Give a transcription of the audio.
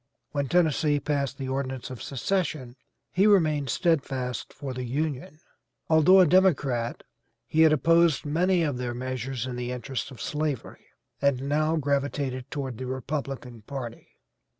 When Tennessee passed the ordinance of secession he remained steadfast for the Union. Although a Democrat, he had opposed many of their measures in the interest of slavery, and now gravitated toward the Republican party.